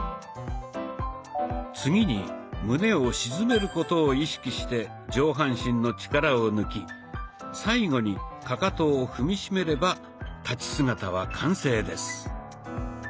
次に胸を沈めることを意識して上半身の力を抜き最後にかかとを踏み締めれば立ち姿は完成です。